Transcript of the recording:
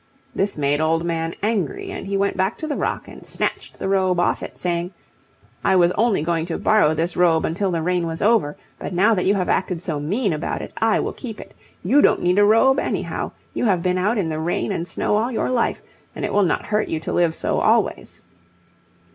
This made Old Man angry, and he went back to the rock and snatched the robe off it, saying, "I was only going to borrow this robe until the rain was over, but now that you have acted so mean about it, I will keep it. You don't need a robe, anyhow. You have been out in the rain and snow all your life, and it will not hurt you to live so always."